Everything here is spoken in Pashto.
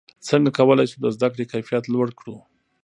څنګه کولای سو د زده کړې کیفیت لوړ کړو؟